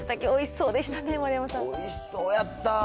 おいしそうやった。